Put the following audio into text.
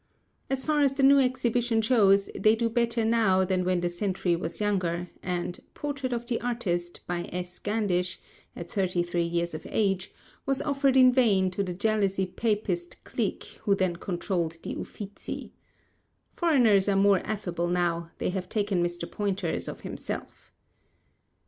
As far as the new exhibition shows, they do better now than when the century was younger and "Portrait of the Artist, by S. Gandish"—at thirty three years of age—was offered in vain to the jealously Papist clique who then controlled the Uffizi. Foreigners are more affable now; they have taken Mr. Poynter's of himself.